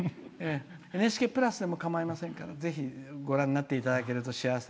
「ＮＨＫプラス」でもかまいませんけどぜひ、ご覧になっていただけると幸せ。